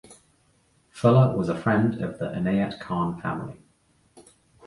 Fuller was a friend of the Inayat Khan family.